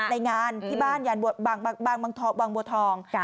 ในงานที่บ้านยานบางบัวทอง